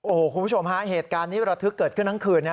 โอ้โหคุณผู้ชมฮะเหตุการณ์นี้ระทึกเกิดขึ้นทั้งคืน